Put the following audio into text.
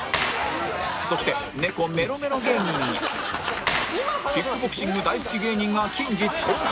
そして猫メロメロ芸人にキックボクシング大好き芸人が近日公開！